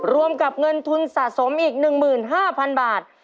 รวมกับเงินทุนสะสมอีก๑๕๐๐๐บาท